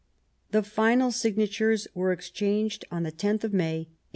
The final signatures were exchanged on the loth of May, 1871.